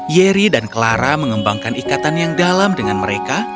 yeri dan clara mengembangkan ikatan yang dalam dengan mereka